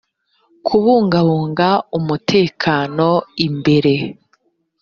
kubungabunga umutekano imbere